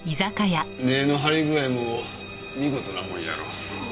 根の張り具合も見事なもんやろ。